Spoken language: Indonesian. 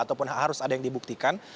ataupun harus ada yang dibuktikan